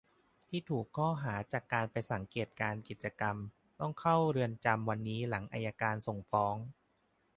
ที่ถูกข้อหาจากการไปสังเกตการณ์กิจกรรม ตัองเข้าเรือนจำวันนี้หลังอัยการส่งฟ้อง